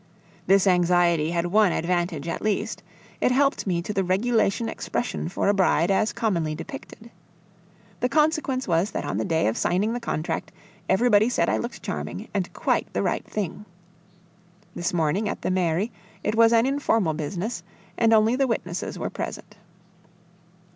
This anxiety had one advantage at least; it helped me to the regulation expression for a bride as commonly depicted. The consequence was that on the day of signing the contract everybody said I looked charming and quite the right thing. This morning, at the Mairie, it was an informal business, and only the witnesses were present.